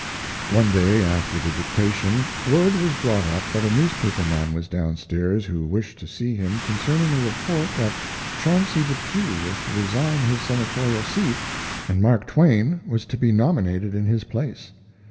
One day, after the dictation, word was brought up that a newspaper man was down stairs who wished to see him concerning a report that Chauncey Depew was to resign his Senatorial seat and Mark Twain was to be nominated in his place.